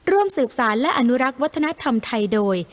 ร่วมสืบสารและอนุรักษ์วัฒนธรรมไทยโดย